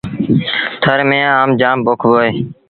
ٿر ميݩ آم جآم پوکبو اهي۔